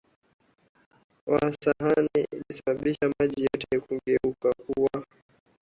wa sahani ilisababisha maji yote kugeuka kuwa